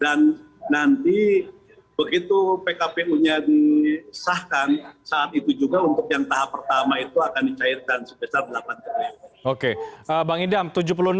dan nanti begitu pkpu nya disahkan saat itu juga untuk yang tahap pertama itu akan dicairkan sebesar delapan triliun